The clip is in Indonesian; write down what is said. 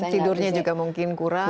tidurnya juga mungkin kurang